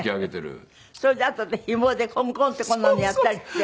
それであとでひもでコンコンってこんなのやったりして。